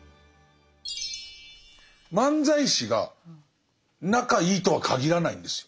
漫才師が仲いいとはかぎらないんですよ。